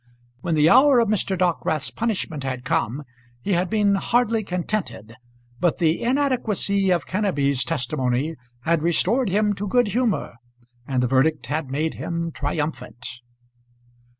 When the hour of Mr. Dockwrath's punishment had come he had been hardly contented, but the inadequacy of Kenneby's testimony had restored him to good humour, and the verdict had made him triumphant.